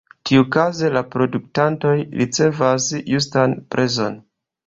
Tiukaze la produktantoj ricevas justan prezon.